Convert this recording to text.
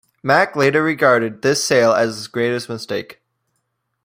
Mack later regarded this sale as his greatest mistake.